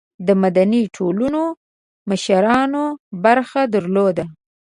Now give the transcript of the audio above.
د مدني ټولنو مشرانو برخه درلوده.